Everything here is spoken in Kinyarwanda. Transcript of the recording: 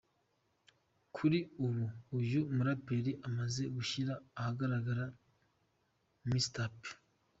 Kuri ubu uyu muraperi amaze gushyira ahagaragara mixtape.